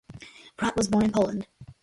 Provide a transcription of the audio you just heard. Pratt was born in Poland.